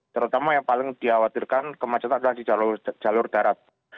terutama yang paling dikhawatirkan kemacetan adalah di jalur darat